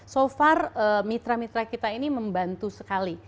so far mitra mitra kita ini membantu sekali